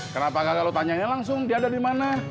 kenapa kagak lo tanyainya langsung dia ada dimana